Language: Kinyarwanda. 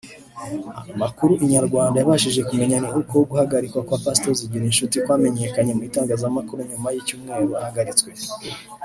Amakuru Inyarwanda yabashije kumenya ni uko guhagarikwa kwa Pastor Zigirinshuti kwamenyekanye mu itangazamakuru nyuma y'icyumweru ahagaritswe